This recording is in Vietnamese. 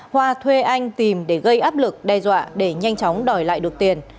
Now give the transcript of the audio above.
hoa thuê anh tìm để gây áp lực đe dọa để nhanh chóng đòi lại được tiền